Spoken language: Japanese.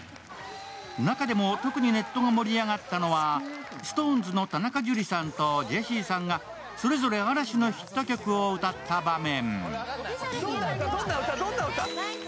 中でも特にネットが盛り上がったのは、ＳｉｘＴＯＮＥＳの田中樹さんとジェシーさんがそれぞれ嵐のヒット曲を歌った場面。